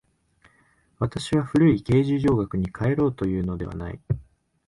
私は古い形而上学に還ろうというのではない。